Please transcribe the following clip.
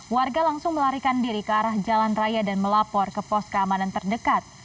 warga langsung melarikan diri ke arah jalan raya dan melapor ke pos keamanan terdekat